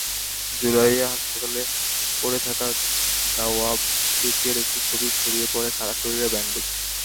জুলাইয়ে হাসপাতালে পড়ে থাকা দাওয়াবচেচের একটি ছবি ছড়িয়ে পড়ে, সারা শরীরে ব্যান্ডেজ।